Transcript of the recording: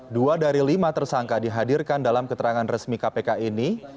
dua dari lima tersangka dihadirkan dalam keterangan resmi kpk ini